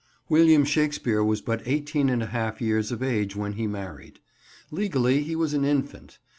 WILLIAM SHAKESPEARE was but eighteen and a half years of age when he married. Legally, he was an "infant."